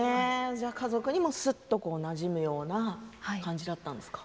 家族にも、すっとなじむような感じだったんですか。